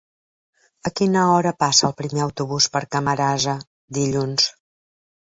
A quina hora passa el primer autobús per Camarasa dilluns?